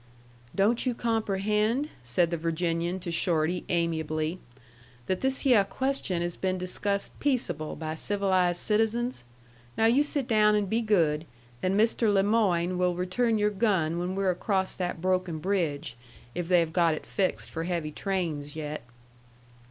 "Don't you comprehend," said the Virginian to Shorty, amiably, "that this hyeh question has been discussed peaceable by civilized citizens? Now you sit down and be good, and Mr. Le Moyne will return your gun when we're across that broken bridge, if they have got it fixed for heavy trains yet."